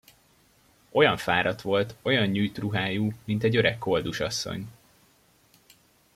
Olyan fáradt volt, olyan nyűtt ruhájú, mint egy öreg koldusasszony.